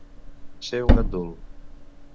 Ser un gandul.